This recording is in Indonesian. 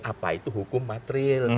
apa itu hukum materil